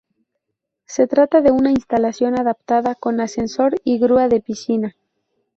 Se trata de una instalación adaptada, con ascensor y grúa de piscina.